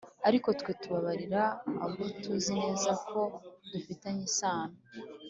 ariko twe tubabarira abo tuzi neza ko dufitanye isano